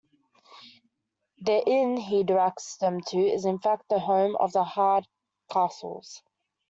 The "inn" he directs them to is in fact the home of the Hardcastles.